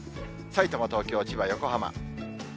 さいたま、東京、千葉、横浜。